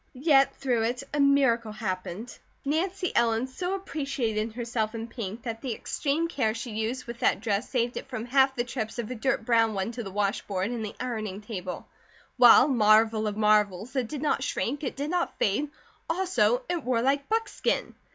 Yet, through it, a miracle happened: Nancy Ellen so appreciated herself in pink that the extreme care she used with that dress saved it from half the trips of a dirt brown one to the wash board and the ironing table; while, marvel of marvels, it did not shrink, it did not fade, also it wore like buckskin.